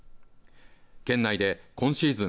県内で今シーズン